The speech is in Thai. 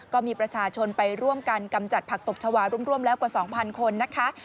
ก็มีประชาชนไปร่วมกันกำจัดผักตบชาวาร่วมแล้วกว่า๒๐๐คนนะคะ